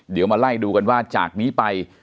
เดี๋ยวมาไล่ดูกันว่าจากนี้ไป